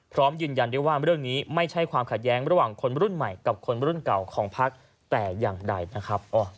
พร้อมยืนยันได้ว่าเรื่องนี้ไม่ใช่ความขัดแย้งระหว่างคนรุ่นใหม่กับคนรุ่นเก่าของพักแต่อย่างใดนะครับ